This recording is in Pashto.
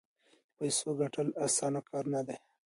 د پیسو ګټل اسانه کار نه دی.